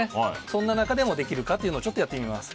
そんな中でもできるかというのをやってみます。